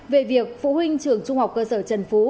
về việc phụ huynh trường trung học cơ sở trần phú